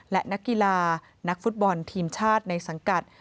และนักกีฬานักฟุตบอลทีมชาติในสังกัด